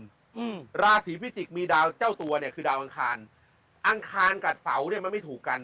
อืมราศีพิจิกษ์มีดาวเจ้าตัวเนี้ยคือดาวอังคารอังคารกับเสาเนี้ยมันไม่ถูกกัน